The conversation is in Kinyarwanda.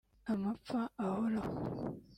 amapfa ahoraho